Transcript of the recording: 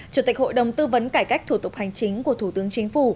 chủ tịch hội đồng tư vấn cải cách thủ tục hành chính của thủ tướng chính phủ